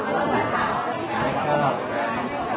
กลับเข้าไปดีกว่า